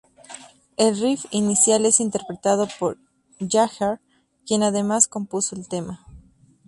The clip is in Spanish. El riff inicial es interpretado por Jagger, quien además compuso el tema.